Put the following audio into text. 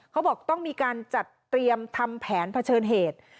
เขาบอกต้องมีการจัดเตรียมทำแผนเผชิญเหตุ